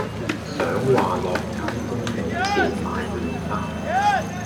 想話落街都冇錢買麵包